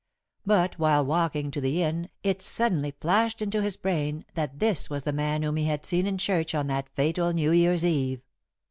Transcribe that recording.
But while walking to the inn it suddenly flashed into his brain that this was the man whom he had seen in church on that fatal New Year's Eve.